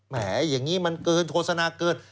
แหมอย่างนี้มันเกินโฆษณาเกิน